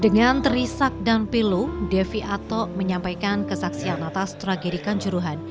dengan terisak dan peluh devi ato menyampaikan kesaksian atas tragedikan curuhan